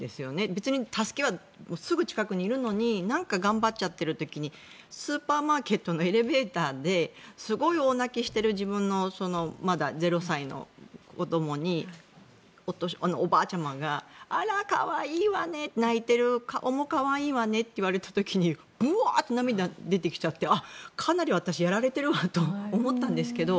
別に助けはすぐ近くにいるのになんか頑張っちゃっている時にスーパーマーケットのエレベーターですごい大泣きしている、自分のまだ０歳の子どもにおばあちゃまがあら、可愛いわね泣いている顔も可愛いわねと言われた時にブワッと涙が出てきちゃってあ、かなり私やられているわと思ったんですけど